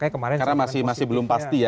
karena masih belum pasti ya